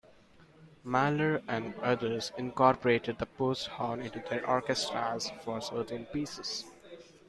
Mahler and others incorporated the post horn into their orchestras for certain pieces.